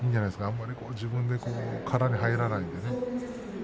あまり自分で、殻に入らないでね